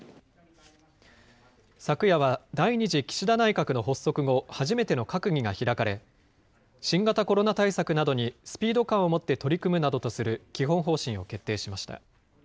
昨夜は、第２次岸田内閣の発足後、初めての閣議が開かれ、新型コロナ対策などにスピード感を持って取り組むなどとする基本方針を決定しました。